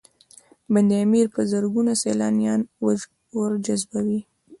بند امیر په زرګونه سیلانیان ورجذبوي